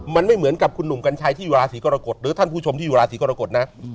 มันไม่เหมือนกับคุณหนุ่มกัญชัยที่อยู่ราศีกรกฎหรือท่านผู้ชมที่อยู่ราศีกรกฎนะ